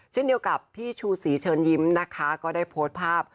เช่นเดียวกับพี่ชูศรีเชิญยิ้มนะคะก็ได้โพสต์ภาพ